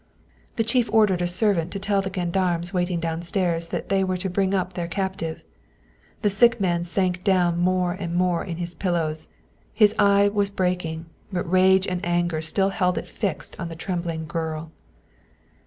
The chief ordered a servant to tell the gendarmes wait ing downstairs that they were to bring up their captive. The sick man sank down more and more in his pillows. His eye was breaking, but rage and anger still held it fixed on the trembling girl.